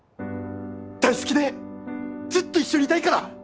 大好きでずっと一緒にいたいから。